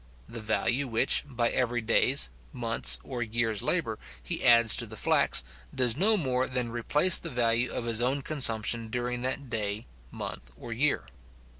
The value which, by every day's, month's, or year's labour, he adds to the flax, does no more than replace the value of his own consumption during that day, month, or year.